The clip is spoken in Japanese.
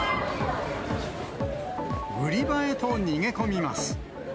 売り場へと、逃げ込みます。